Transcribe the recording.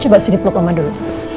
coba sini peluk oma dulu